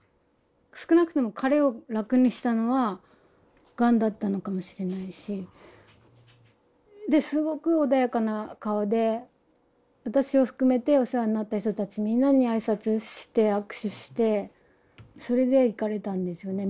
少なくても彼を楽にしたのはがんだったのかもしれないし。ですごく穏やかな顔で私を含めてお世話になった人たちみんなに挨拶して握手してそれで逝かれたんですよね。